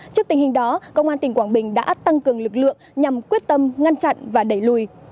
trước tình hình đó công an tỉnh quảng bình đã tăng cường lực lượng nhằm quyết tâm ngăn chặn và đẩy lùi